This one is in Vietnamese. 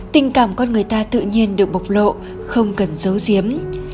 tình cảm con người ta tự nhiên được bộc lộ không cần giấu giếm